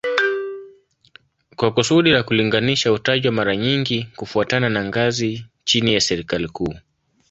Kwa kusudi la kulinganisha hutajwa mara nyingi kufuatana na ngazi chini ya serikali kuu